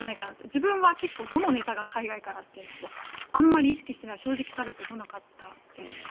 自分は結構どのネタが海外からってあんまり意識して正直、食べてこなかったです。